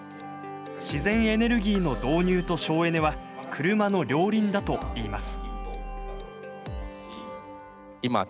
自然エネルギーの導入と省エネは車の両輪だと言います。